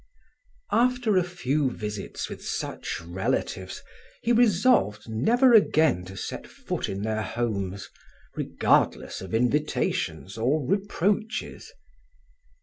After a few visits with such relatives, he resolved never again to set foot in their homes, regardless of invitations or reproaches.